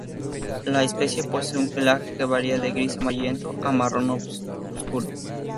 La especie posee un pelaje que varía de gris-amarillento a marrón obscuro.